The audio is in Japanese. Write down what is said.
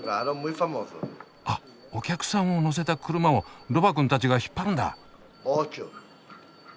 あっお客さんを乗せた車をロバくんたちが引っ張るんだ。